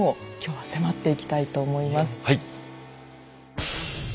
はい。